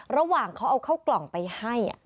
ระหว่างเขาเอาเข้ากล่องไปให้